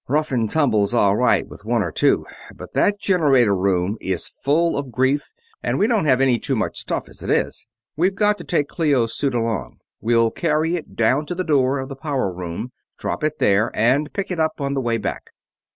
"Rough and tumble's all right with one or two, but that generator room is full of grief, and we won't have any too much stuff as it is. We've got to take Clio's suit along we'll carry it down to the door of the power room, drop it there, and pick it up on the way back."